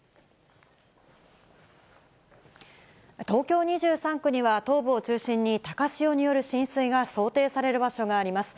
東京２３区には、東部を中心に高潮による浸水が想定される場所があります。